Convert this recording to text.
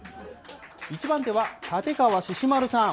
一番手は立川志獅丸さん。